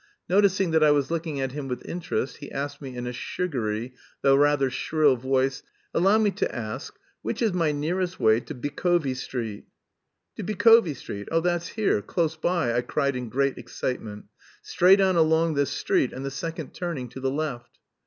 Noticing that I was looking at him with interest, he asked me in a sugary, though rather shrill voice: "Allow me to ask, which is my nearest way to Bykovy Street?" "To Bykovy Street? Oh, that's here, close by," I cried in great excitement. "Straight on along this street and the second turning to the left."